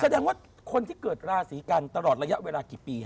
แสดงว่าคนที่เกิดราศีกันตลอดระยะเวลากี่ปี